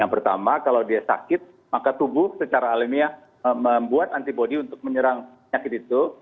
yang pertama kalau dia sakit maka tubuh secara alamiah membuat antibody untuk menyerang penyakit itu